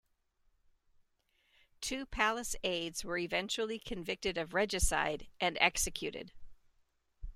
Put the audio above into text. Two palace aides were eventually convicted of regicide and executed.